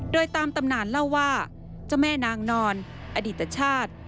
โดยตามตำนานเล่าว่าเจ้าแม่นางนอนอดิตชาติ